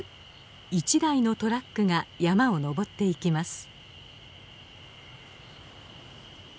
一台のトラックが山をのぼっていきます。